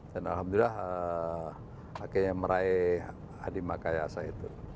dan alhamdulillah akhirnya meraih adi makayasa itu